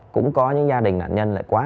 cũng có những gia đình nạn nhân lại quá